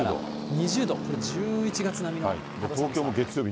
２０度、これ１１月並みの肌寒さ。